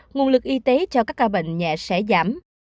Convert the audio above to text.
nguồn lực y tế cho các ca bệnh nhẹ sẽ giảm